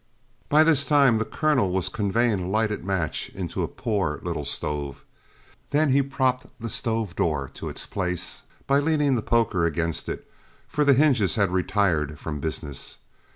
By this time the Colonel was conveying a lighted match into a poor little stove. Then he propped the stove door to its place by leaning the poker against it, for the hinges had retired from business.